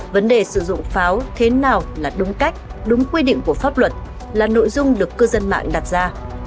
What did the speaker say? vấn đề sử dụng pháo thế nào là đúng cách đúng quy định của pháp luật là nội dung được cư dân mạng đặt ra